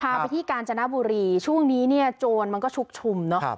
พาไปที่กาญจนบุรีช่วงนี้เนี่ยโจรมันก็ชุกชุมเนอะ